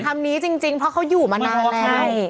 คำนี้จริงเพราะเขาอยู่มานานแล้ว